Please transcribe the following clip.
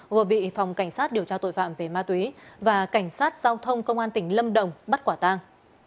vừa bị phòng cảnh sát điều tra tội phạm về ma túy và cảnh sát giao thông công an tỉnh lâm đồng bắt quả tang